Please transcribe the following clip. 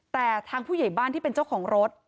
แต่ทางผู้ใหญ่บ้านที่เป็นเจ้าของรถ